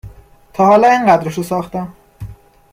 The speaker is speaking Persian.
تا حالا اینقدرشو ساختم